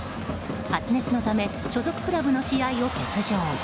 発熱のため所属クラブの試合を欠場。